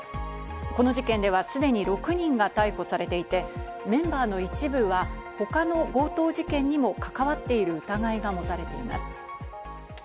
この事件ではすでに６人が逮捕されていて、メンバーの一部は他の強盗事件にもかかわっている疑いが持たれています。